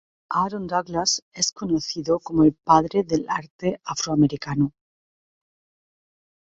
Aaron Douglas es conocido como el "Padre del Arte Afroamericano".